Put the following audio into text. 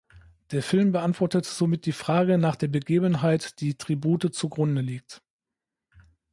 Der Film beantwortet somit die Frage nach der Begebenheit, die "Tribute" zu Grunde liegt.